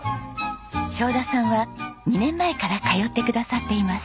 正田さんは２年前から通ってくださっています。